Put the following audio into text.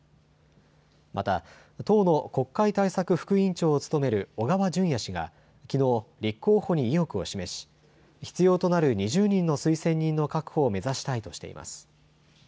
また、党の国会対策副委員長を務める小川淳也氏がきのう、立候補に意欲を示し、必要となる２０人の推薦人の確保を目指したいとしています。